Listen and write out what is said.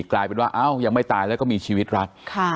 กลายเป็นว่ายังไม่ตายแล้วก็มีชีวิตรัก